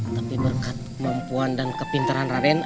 tapi berkat kemampuan dan kepinteran raden